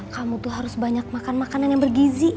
kamu tuh harus banyak makan makanan yang bergizi